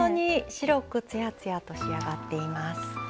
白くつやつやと仕上がっています。